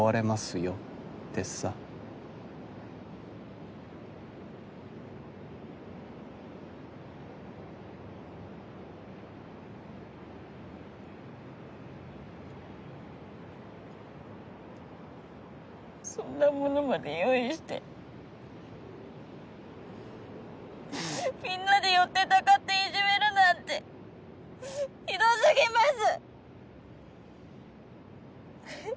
よってさそんなものまで用意してみんなで寄ってたかっていじめるなんてひどすぎます！